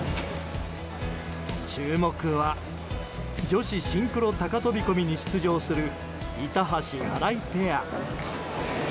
注目は女子シンクロ高飛込に出場する板橋・荒井ペア。